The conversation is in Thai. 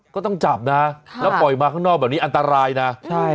ก็ต้องจับนะแล้วปล่อยมาข้างนอกแบบนี้อันตรายนะใช่